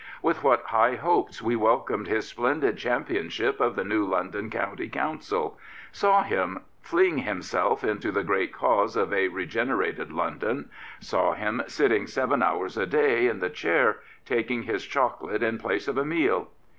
With what high hopes we welcomed his splendid championship of the new London County Council, saw him fling himself into, the great cause of a regenerated London, saw him sitting seven hours a day in the chair, taking his chocolate in place of a meal!